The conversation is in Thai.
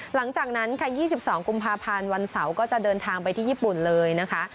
หลังจากนั้นค่ะ๒๒กุมภาพันธ์วันเสาร์ก็จะเดินทางไปที่ญี่ปุ่นเลยนะคะ